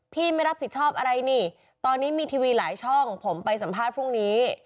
ไม่รับผิดชอบอะไรนี่ตอนนี้มีทีวีหลายช่องผมไปสัมภาษณ์พรุ่งนี้